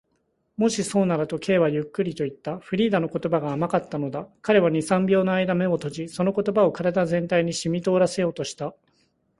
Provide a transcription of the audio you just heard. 「もしそうなら」と、Ｋ はゆっくりといった。フリーダの言葉が甘かったのだ。彼は二、三秒のあいだ眼を閉じ、その言葉を身体全体にしみとおらせようとした。